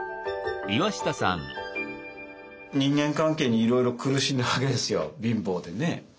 人間関係にいろいろ苦しんだわけですよ貧乏でね。